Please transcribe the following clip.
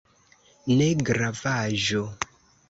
Ne gravaĵo!